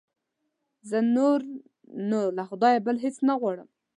زه نور نو له خدایه بل هېڅ نه غواړم.